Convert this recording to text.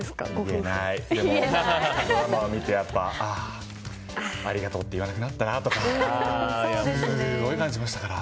ドラマを見て、やっぱりありがとうって言わなくなったなとかすごい感じましたから。